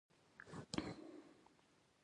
موږ د دې بحثونو له امله اصلي موضوع هیر کړې ده.